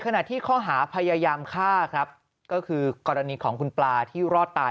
ขณะที่ข้อหาพยายามฆ่าครับก็คือกรณีของคุณปลาที่รอดตาย